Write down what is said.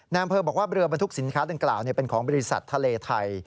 อำเภอบอกว่าเรือบรรทุกสินค้าดังกล่าวเป็นของบริษัททะเลไทย